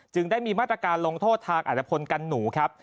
ได้มีมาตรการลงโทษทางอัตภพลกันหนูครับ